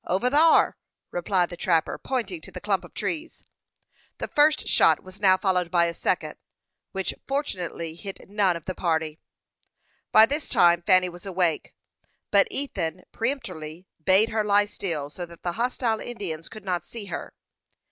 "Over thar," replied the trapper, pointing to the clump of trees. The first shot was now followed by a second, which fortunately hit none of the party. By this time Fanny was awake; but Ethan peremptorily bade her lie still, so that the hostile Indians could not see her.